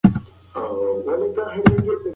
امیل دورکهایم د ټولنیزو نهادونو خبره کوي.